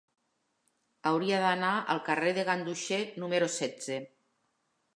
Hauria d'anar al carrer de Ganduxer número setze.